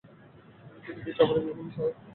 তিনি বিজ্ঞানের বিভিন্ন বিষয়ে আকর্ষিত হন।